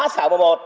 ba xã một mươi một